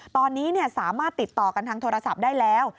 ตอนนี้สามารถติดต่อกันทางโทรศัพท์ได้แล้ว